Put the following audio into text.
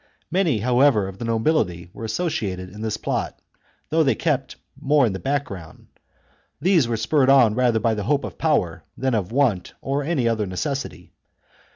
Many, moreover, of the nobility were associated in this plot, though they kept more in the background. These were spurred on rather by the hope of power than by want or any other necessity.